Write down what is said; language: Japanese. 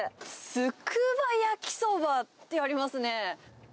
つくば焼きそばってありますね。